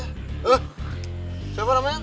eh siapa namanya